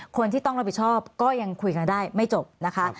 คนที่ต้องรับผิดชอบก็ยังคุยกันได้ไม่จบนะคะ